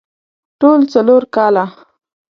ټول څلور کاله